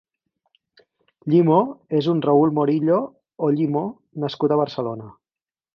Llimoo és un raúl Morillo o Llimoo nascut a Barcelona.